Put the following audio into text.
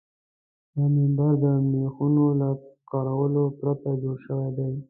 دا منبر د میخونو له کارولو پرته جوړ شوی و.